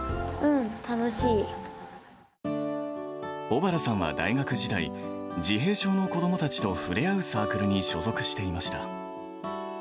小原さんは大学時代、自閉症の子どもたちと触れ合うサークルに所属していました。